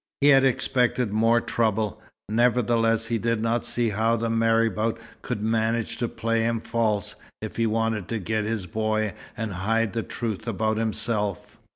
He had expected more trouble. Nevertheless, he did not see how the marabout could manage to play him false, if he wanted to get his boy and hide the truth about himself.